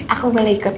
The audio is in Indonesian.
aku boleh ikut